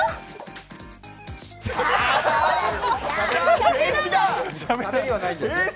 しゃべりはないんですね。